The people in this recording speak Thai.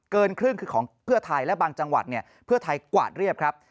เกินครึ่งคือของเพื่อไทยและบางจังหวัดเนี่ยเพื่อไทยกวาดเรียบครับ